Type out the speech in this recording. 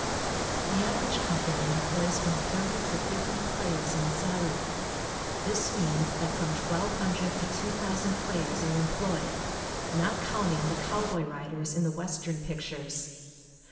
The average company employs from thirty to fifty players on salary. This means that from 1,200 to 2,000 players are employed, not counting the cowboy riders in the Western pictures.